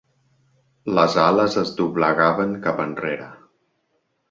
Les ales es doblegaven cap enrere.